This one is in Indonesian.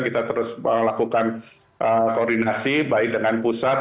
kita terus melakukan koordinasi baik dengan pusat